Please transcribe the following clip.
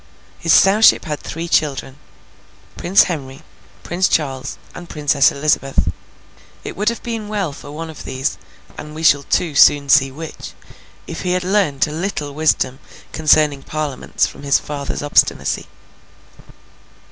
His Sowship had three children: Prince Henry, Prince Charles, and the Princess Elizabeth. It would have been well for one of these, and we shall too soon see which, if he had learnt a little wisdom concerning Parliaments from his father's obstinacy.